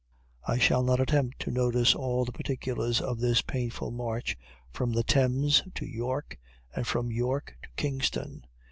I shall not attempt to notice all the particulars of this painful march, from the Thames to York, and from York to Kingston.